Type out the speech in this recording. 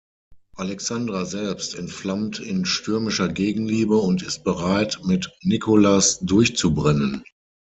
Alexandra selbst entflammt in stürmischer Gegenliebe und ist bereit, mit Nicholas durchzubrennen.